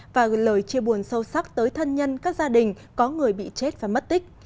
và gửi lời chia buồn sâu sắc tới thân nhân các gia đình có người bị chết và mất tích